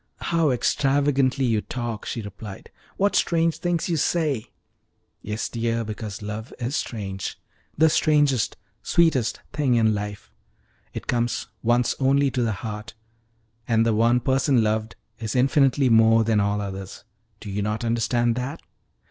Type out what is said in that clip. "How extravagantly you talk!" she replied. "What strange things you say!" "Yes, dear, because love is strange the strangest, sweetest thing in life. It comes once only to the heart, and the one person loved is infinitely more than all others. Do you not understand that?"